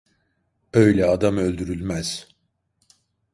Öyle adam öldürülmez…